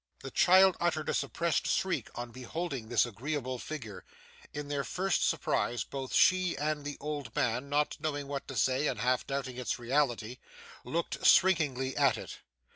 The child uttered a suppressed shriek on beholding this agreeable figure; in their first surprise both she and the old man, not knowing what to say, and half doubting its reality, looked shrinkingly at it.